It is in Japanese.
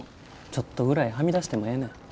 ちょっとぐらいはみ出してもええねん。